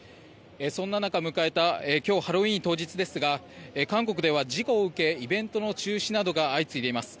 そんな中、迎えた今日、ハロウィーン当日ですが韓国では事故を受けイベントの中止などが相次いでいます。